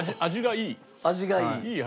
味がいい。